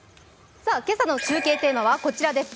今朝の中継テーマはこちらです。